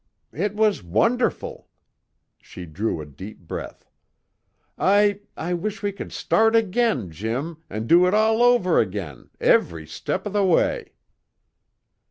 "It was wonderful!" She drew a deep breath. "I I wish we could start again, Jim, and do it all over again, every step of the way!"